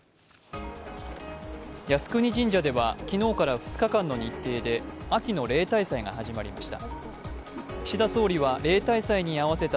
靖国神社では昨日から２日間の日程で、秋の例大祭が始まりました。